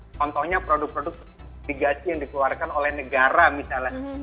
contohnya produk produk obligasi yang dikeluarkan oleh negara misalnya